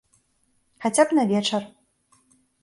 Хаця б на вечар.